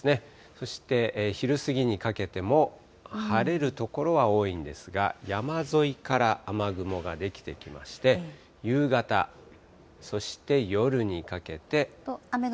そして昼過ぎにかけても晴れる所は多いんですが、山沿いから雨雲が出来てきまして、夕方、そして夜にかけて。